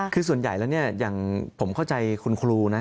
คือส่วนใหญ่แล้วเนี่ยอย่างผมเข้าใจคุณครูนะ